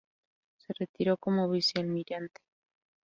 Se retiró como vicealmirante.